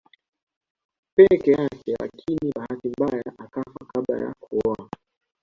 Peke yake lakini bahati mbaya akafa kabla ya kuoa